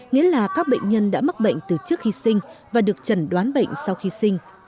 nghĩa là các bệnh nhân đã mắc bệnh từ trước khi sinh và được trần đoán bệnh sau khi sinh